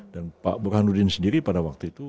dan pak burhanuddin sendiri pada waktu itu